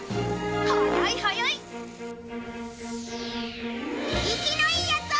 速い速い！いきのいいやつを狙え！